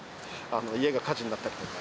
家が火事になったりとか。